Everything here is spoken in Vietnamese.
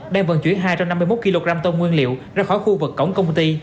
đang vận chuyển hai trăm năm mươi một kg tôm nguyên liệu ra khỏi khu vực cổng công ty